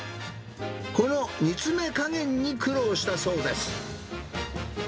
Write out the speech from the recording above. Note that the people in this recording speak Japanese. この煮詰めかげんに苦労したそうです。